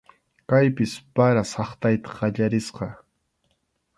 Kaypis para saqtayta qallarisqa.